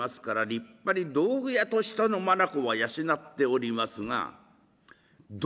立派に道具屋としての眼は養っておりますが道楽が過ぎました。